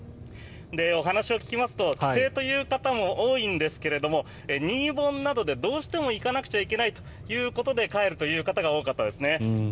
お話を聞きますと帰省という方も多いんですが新盆などでどうしても行かなくちゃいけないということで帰るという方が多かったですね。